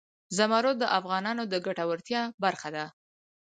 زمرد د افغانانو د ګټورتیا برخه ده.